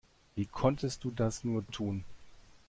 Wie konntest du das nur tun?